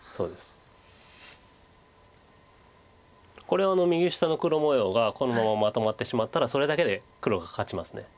これ右下の黒模様がこのまままとまってしまったらそれだけで黒が勝ちます。